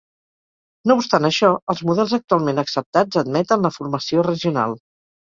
No obstant això, els models actualment acceptats admeten la formació regional.